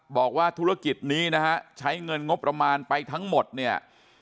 บอกว่าธุรกิจนี้นะฮะใช้เงินงบประมาณไปทั้งหมดเนี่ย